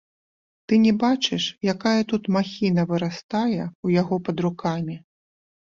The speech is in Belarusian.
Ты не бачыш, якая тут махіна вырастае ў яго пад рукамі?